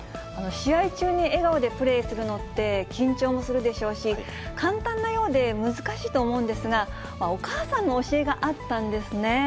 試合中に笑顔でプレーするのって、緊張もするでしょうし、簡単なようで難しいと思うんですが、お母さんの教えがあったんですね。